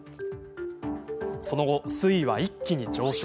その後、水位は一気に上昇。